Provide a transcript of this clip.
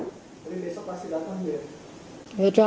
tapi besok pasti datang ya